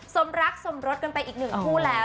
สมรักสมรสกันไปอีกหนึ่งคู่แล้ว